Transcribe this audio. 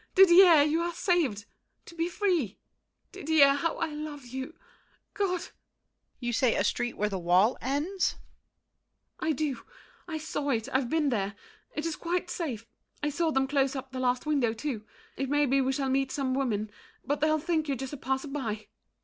Didier, you are saved! To be free! Didier, how I love you—God! DIDIER. You say a street where the wall ends? MARION. I do. I saw it. I've been there. It is quite safe. I saw them close up the last window, too. It may be we shall meet some women, but They'll think you're just a passer by.